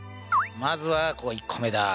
まずは１個目だ。